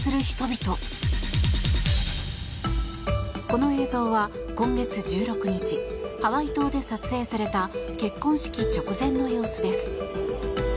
この映像は今月１６日ハワイ島で撮影された結婚式直前の様子です。